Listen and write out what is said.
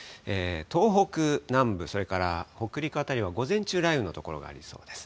東北南部、それから北陸辺りは、午前中、雷雨の所がありそうです。